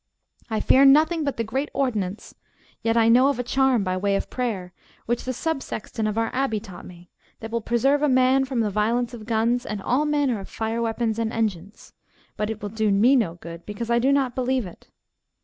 I fear nothing but the great ordnance; yet I know of a charm by way of prayer, which the subsexton of our abbey taught me, that will preserve a man from the violence of guns and all manner of fire weapons and engines; but it will do me no good, because I do not believe it.